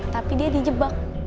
tapi dia dijebak